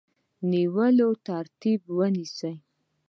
نیولو ترتیب ونیسي.